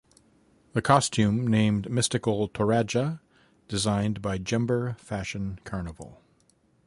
The costume named ""Mystical Toraja"" designed by Jember Fashion Carnival.